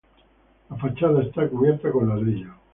La fachada está cubierta con ladrillo.